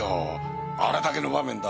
あれだけの場面だ。